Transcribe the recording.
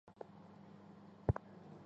县里的人为庙题额为烈女庙。